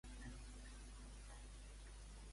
Quin altre contratemps va haver d'encarar Rivera?